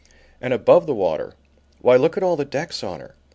And above the water, why, look at all the decks on her!